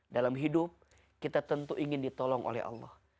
dalam hidup kita tentu ingin ditolong oleh allah